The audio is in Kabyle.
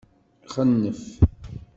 Xennef.